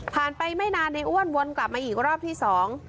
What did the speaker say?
ไปไม่นานในอ้วนวนกลับมาอีกรอบที่สอง